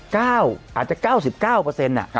จะเป้าะจะ๙๙เปอร์เซ็นต์อะ